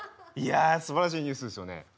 いやすばらしいニュースですよね。